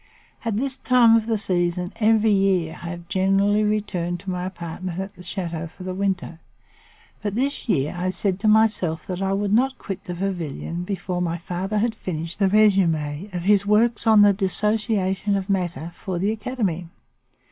At this time of the season, every year, I have generally returned to my apartment in the chateau for the winter; but this year I said to myself that I would not quit the pavilion before my father had finished the resume of his works on the 'Dissociation of Matter' for the Academy.